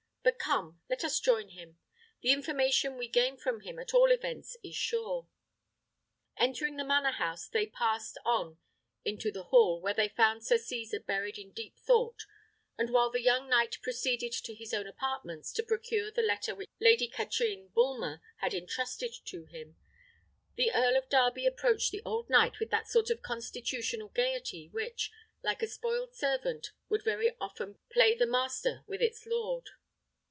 But come, let us join him. The information we gain from him, at all events, is sure." Entering the manor house, they passed on into the hall, where they found Sir Cesar buried in deep thought; and while the young knight proceeded to his own apartments, to procure the letter which Lady Katrine Bulmer had entrusted to him, the Earl of Darby approached the old knight with that sort of constitutional gaiety which, like a spoiled servant, would very often play the master with its lord.